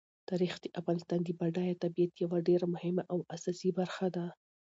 تاریخ د افغانستان د بډایه طبیعت یوه ډېره مهمه او اساسي برخه ده.